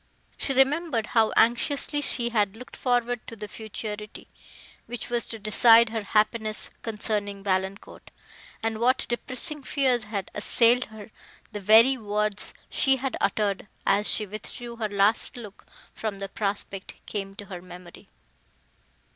She remembered how anxiously she had looked forward to the futurity, which was to decide her happiness concerning Valancourt, and what depressing fears had assailed her; the very words she had uttered, as she withdrew her last look from the prospect, came to her memory.